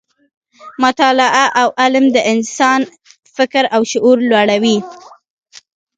مطالعه او علم د انسان فکر او شعور لوړوي.